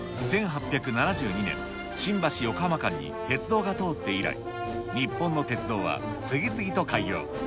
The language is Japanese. １８７２年、新橋・横浜間に鉄道が通って以来、日本の鉄道は次々と開業。